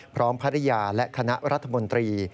พร้อมภรรยาและคณะรัฐมนตรี